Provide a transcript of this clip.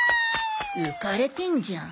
浮かれてんじゃん。